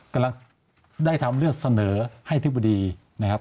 กำลังได้ทำเลือกเสนอให้อธิบดีนะครับ